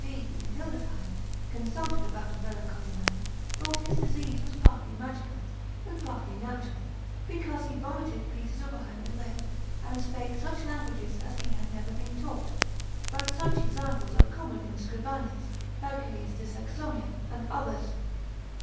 D. in Hildesheim, consulted about a melancholy man, thought his disease was partly magical, and partly natural, because he vomited pieces of iron and lead, and spake such languages as he had never been taught; but such examples are common in Scribanius, Hercules de Saxonia, and others.